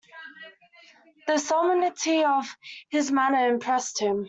The solemnity of his manner impressed him.